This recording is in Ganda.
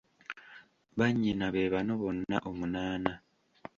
Bannyina be bano bonna omunaana.